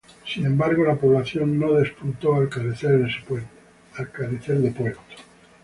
Sin embargo, la población no despuntó al carecer de puerto.